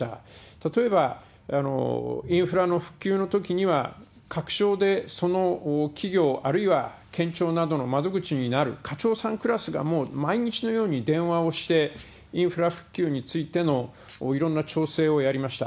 例えばインフラの復旧のときには、各省でその企業、あるいは県庁などの窓口になる課長さんクラスがもう毎日のように電話をして、インフラ復旧についてのいろんな調整をやりました。